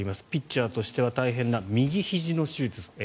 ピッチャーとしては大変な右ひじの手術。